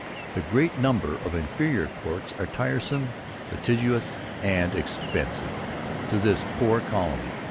'The great number of inferior Courts are tiresome, litigious, and expensive to this poor Colony.'